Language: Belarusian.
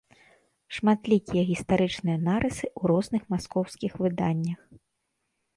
Шматлікія гістарычныя нарысы ў розных маскоўскіх выданнях.